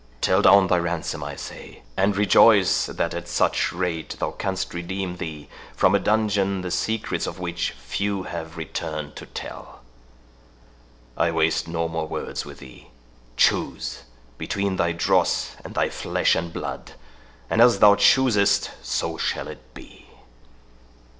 Tell down thy ransom, I say, and rejoice that at such rate thou canst redeem thee from a dungeon, the secrets of which few have returned to tell. I waste no more words with thee—choose between thy dross and thy flesh and blood, and as thou choosest, so shall it be."